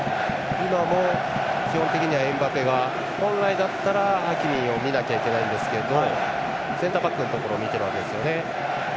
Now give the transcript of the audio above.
今も基本的にはエムバペが本来には、ハキミを見なきゃいけないんですけどセンターバックのところを見ているわけですね。